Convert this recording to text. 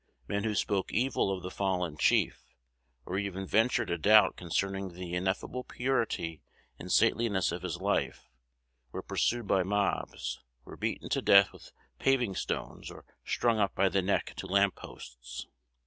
Men who spoke evil of the fallen chief, or even ventured a doubt concerning the ineffable purity and saintliness of his life, were pursued by mobs, were beaten to death with paving stones, or strung up by the neck to lampposts.